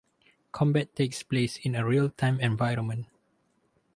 Combat takes place in a real-time environment.